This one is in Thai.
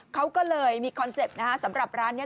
เขาก็เลยมีคอนเซ็ปต์นะฮะสำหรับร้านนี้